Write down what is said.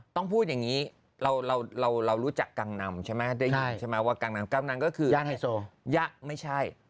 ต้องพูดอย่างนี้เรารู้จักกังนำได้ยินใช่มั้ยเรารู้จักกังนำ